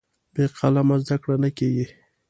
بې قلمه زده کړه نه کېږي.